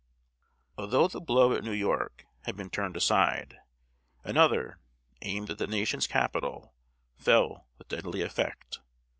Although the blow at New York had been turned aside, another, aimed at the Nation's Capital, fell with deadly effect.